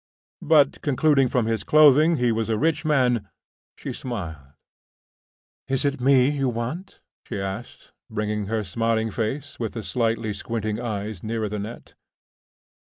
But, concluding from his clothing he was a rich man, she smiled. "Is it me you want?" she asked, bringing her smiling face, with the slightly squinting eyes, nearer the net.